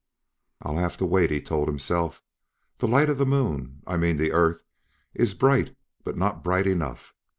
"I'll have to wait," he told himself. "The light of the Moon I mean the Earth is bright, but not bright enough.